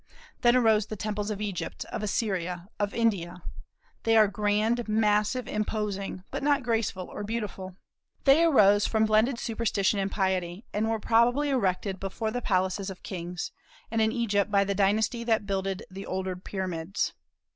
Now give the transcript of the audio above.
Then arose the temples of Egypt, of Assyria, of India. They are grand, massive, imposing, but not graceful or beautiful. They arose from blended superstition and piety, and were probably erected before the palaces of kings, and in Egypt by the dynasty that builded the older pyramids.